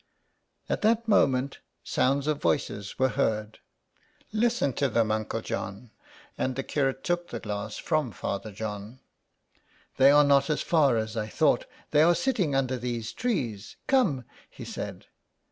At that moment sounds of voices were heard. '* Listen to them, uncle John." And the curate took the glass from Father John. " They are not as far as I thought, they are sitting under these trees. Come," he said.